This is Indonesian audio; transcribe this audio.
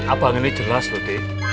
abang ini jelas luti